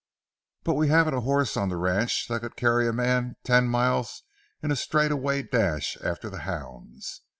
But we haven't a horse on the ranch that could carry a man ten miles in a straightaway dash after the hounds.